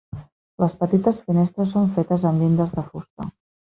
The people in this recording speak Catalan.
Les petites finestres són fetes amb llindes de fusta.